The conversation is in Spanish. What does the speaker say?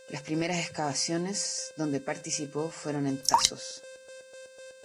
Las primeras excavaciones donde participó fueron en Tasos.